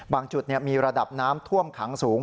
จุดมีระดับน้ำท่วมขังสูง